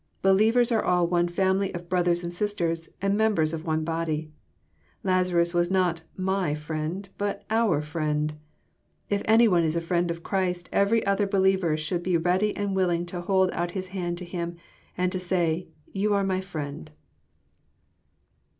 Believers are all one family of brothers and sisters, and members of one body. Lazarus was not " my " friend, but our'* friend. If any one is a friend of Christ, every other believer should be ready and willing to hold out his hand to him, ttiid say, *« You are my ftiend."